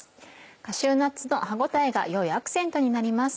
カシューナッツの歯応えが良いアクセントになります。